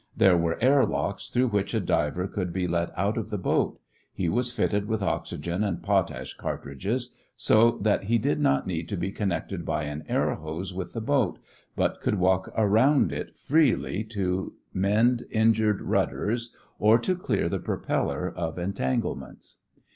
There were air locks through which a diver could be let out of the boat. He was fitted with oxygen and potash cartridges, so that he did not need to be connected by an air hose with the boat, but could walk around it freely to mend injured rudders or to clear the propeller of entanglements.